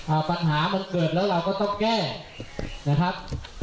ปัญหามันเกิดแล้วเราก็ต้องแก้นะครับ